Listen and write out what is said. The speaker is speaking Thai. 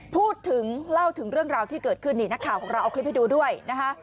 พูดถึงเล่าถึงเรื่องราวที่เกิดขึ้นนี่นักข่าวของเราเอาคลิปให้ดูด้วยนะคะ